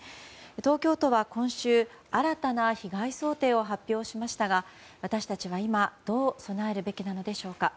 東京都は今週新たな被害想定を発表しましたが私たちは今どう備えるべきなのでしょうか。